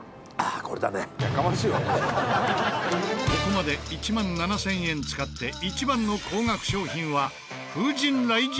ここまで１万７０００円使って一番の高額商品は風神雷神革財布。